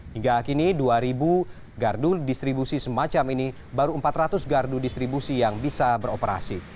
hingga kini dua gardu distribusi semacam ini baru empat ratus gardu distribusi yang bisa beroperasi